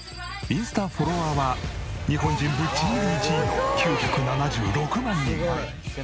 インスタフォロワーは日本人ぶっちぎり１位の９７６万人。